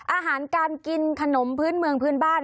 อาหารการกินขนมพื้นเมืองพื้นบ้าน